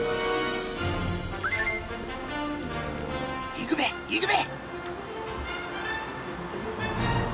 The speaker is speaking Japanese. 行くべ行くべ！